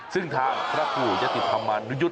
ซึ่งทางพระครูยะติธรรมานุยุทธ์